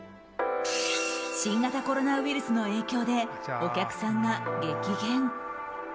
新型コロナウイルスの影響でお客さんが激減。